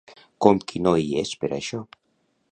Com qui no hi és per això.